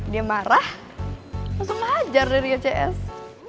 dia marah langsung ngajar nih rio cs